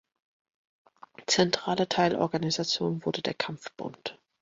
Zentrale Teilorganisation wurde der Kampfbund.